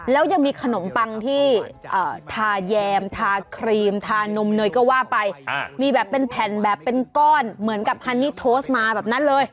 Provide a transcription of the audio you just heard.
แล้วยังมีขนมปังที่ทาแยมทาครีมทานมเนยก็ว่าไปมีแบบเป็นแผ่นแบบเป็นก้อนเหมือนกับฮันนี่โพสต์มาแบบนั้นเลย